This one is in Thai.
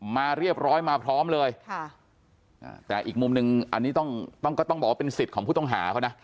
มาเรียบร้อยมาพร้อมเลยแต่อีกมุมนึงอันนี้ต้องก็ต้องบอกว่าเป็นสิทธิ์ของผู้ต้องหาเขานะ